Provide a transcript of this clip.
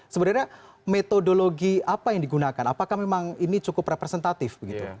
sebenarnya metodologi apa yang digunakan apakah memang ini cukup representatif begitu